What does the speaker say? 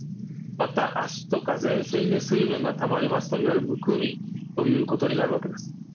また足とか全身に水分がたまりますといわゆるむくみということになるわけです。